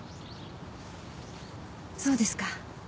そうですか。